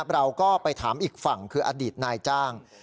เราก็ไปถามอีกฝั่งคืออดีตนายจ้าง